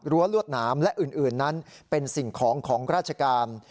ลวดหนามและอื่นนั้นเป็นสิ่งของของราชการ